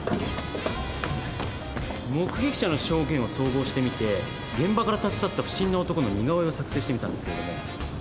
目撃者の証言を総合してみて現場から立ち去った不審な男の似顔絵を作成してみたんですけれども。